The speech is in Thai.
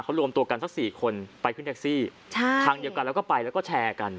เขารวมตัวกันสักสี่คนไปขึ้นแท็กซี่ใช่ทางเดียวกันแล้วก็ไปแล้วก็แชร์กัน